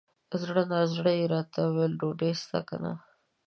زړه نا زړه یې راته وویل ! ډوډۍ سته که نه؟